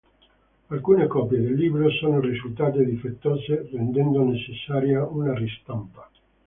Alcune copie del libro sono risultate difettose, rendendo necessaria una ristampa.